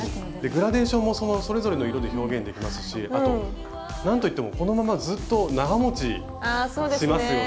グラデーションもそれぞれの色で表現できますしあとなんといってもこのままずっと長もちしますよね。